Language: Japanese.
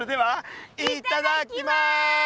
いただきます！